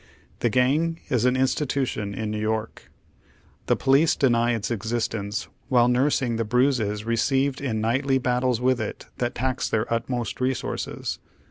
The gang ie an in stitution in New York. The police deny its existence while nursing the bruises received in nightly battles with it that tax their utmost resources.